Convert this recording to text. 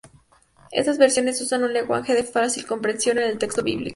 Estas versiones usan un lenguaje de fácil comprensión en el texto bíblico.